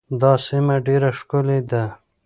دا سیمه ډېره ښکلې ده.